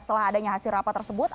setelah adanya hasil rapat tersebut